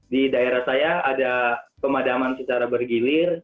di daerah saya ada pemadaman secara bergilir